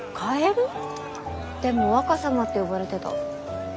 でも「若様」って呼ばれてた。